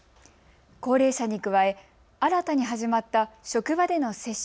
高齢者に加え新たに始まった職場での接種。